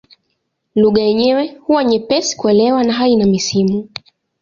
Lugha yenyewe huwa nyepesi kuelewa na haina misimu.